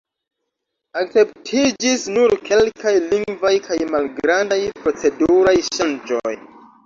Akceptiĝis nur kelkaj lingvaj kaj malgrandaj proceduraj ŝanĝoj.